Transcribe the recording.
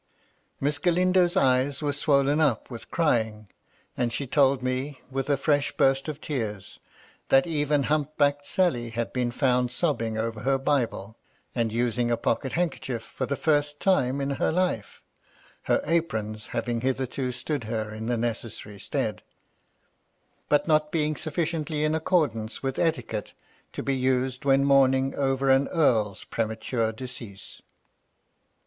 Miss Galindo's eyes were swollen up with crying, and she told me, with a fresh burst of tears, that even hump backed Sally had been found sobbing over her Bible, and using a pocket handkerchief for the first time in her life ; her aprons having hitherto stood her in the necessary stead, but not being sufficiently in accordance with etiquette, to be used when mourning over an earl's premature decease.